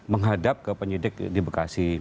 menghadap ke penyidik di bekasi